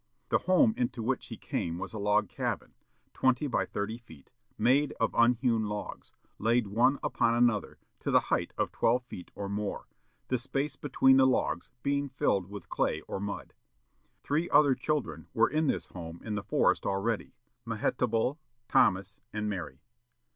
The home into which he came was a log cabin, twenty by thirty feet, made of unhewn logs, laid one upon another, to the height of twelve feet or more, the space between the logs being filled with clay or mud. Three other children were in this home in the forest already; Mehetabel, Thomas, and Mary.